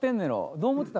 どう思ってた？